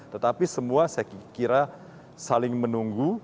tetapi semua saya kira saling menunggu